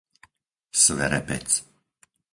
Sverepec